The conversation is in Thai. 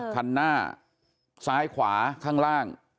คันหน้าซ้ายขวาข้างล่าง